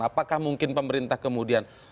apakah mungkin pemerintah kemudian